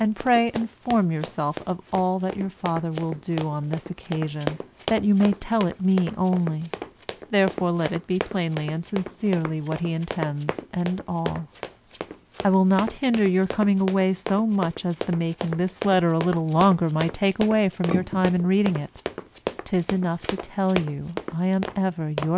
And pray inform yourself of all that your father will do on this occasion, that you may tell it me only; therefore let it be plainly and sincerely what he intends and all. I will not hinder your coming away so much as the making this letter a little longer might take away from your time in reading it. 'Tis enough to tell you I am ever Yours.